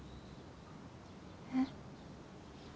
えっ？